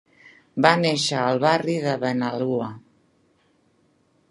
Va néixer al barri de Benalua.